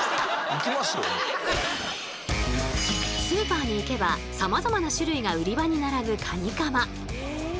スーパーに行けばさまざまな種類が売り場に並ぶカニカマ。